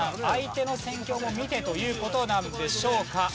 相手の戦況も見てという事なんでしょうか？